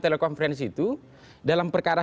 telekonferensi itu dalam perkara